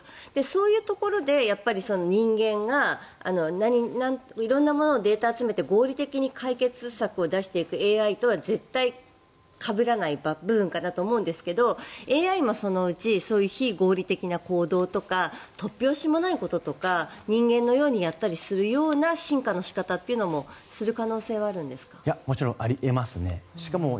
そういうところで人間が色んなもののデータを集めて合理的に解決策を出していくＡＩとはかぶらない部分かなと思うんですがＡＩもそのうち非合理的なこととか突拍子もないこととか人間のようにやったりするような進化の仕方ももちろんあり得ます。